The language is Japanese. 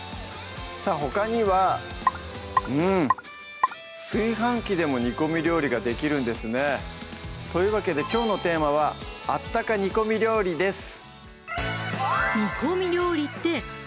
さぁほかにはうん炊飯器でも煮込み料理ができるんですねというわけできょうのテーマは「あったか煮込み料理」です